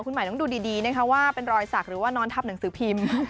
คุณหมายต้องดูดีนะคะว่าเป็นรอยสักหรือว่านอนทับหนังสือพิมพ์